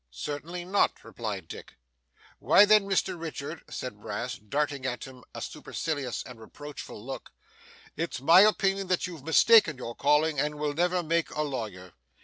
'Certainly not,' replied Dick. 'Why then, Mr Richard,' said Brass, darting at him a supercilious and reproachful look, 'it's my opinion that you've mistaken your calling, and will never make a lawyer.